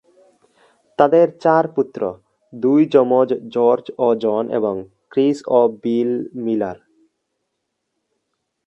তাদের চার পুত্র: দুই জমজ জর্জ ও জন, এবং ক্রিস ও বিল মিলার।